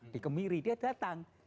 di kemiri dia datang